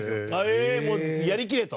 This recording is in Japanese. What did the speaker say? へえもうやりきれと。